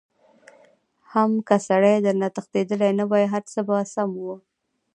حم که سړی درنه تښتېدلی نه وای هرڅه به سم وو.